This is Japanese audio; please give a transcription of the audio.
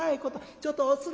ちょっとお連れ